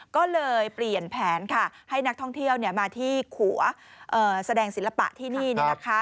ก็เลยเปลี่ยนแผนค่ะให้นักท่องเที่ยวมาที่ขัวแสดงศิลปะที่นี่นะคะ